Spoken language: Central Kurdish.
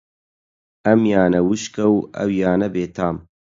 ئەمیانە وشکە و ئەویانە بێتام